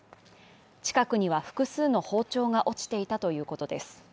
近くには複数の包丁が落ちていたということです。